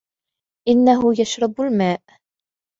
إنه يشرب الماء.